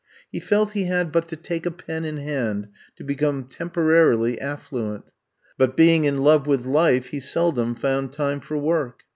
He felt he had but to take a pen in hand to become temporarily aflBuent. But being in love with life he seldom found time for work.